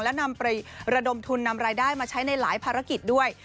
และนำไประดมทุนนำรายได้มาใช้ในหลายภารกิจด้วย